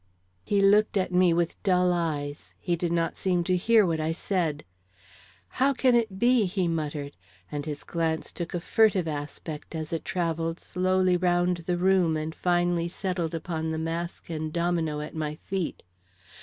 He looked at me with dull eyes; he did not seem to hear what I said. "How can it be?" he muttered; and his glance took a furtive aspect as it travelled slowly round the room and finally settled upon the mask and domino at my feet.